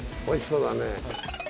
おいしそうだね。